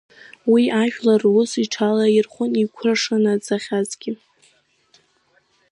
Уи ажәлар рус иҽалаирхәуан, иқәра шынаӡахьазгьы.